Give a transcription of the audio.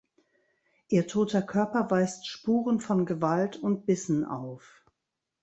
Ihr toter Körper weist Spuren von Gewalt und Bissen auf.